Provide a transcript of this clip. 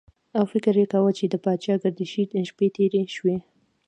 او فکر یې کاوه چې د پاچاګردشۍ شپې تېرې شوې.